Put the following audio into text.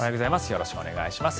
よろしくお願いします。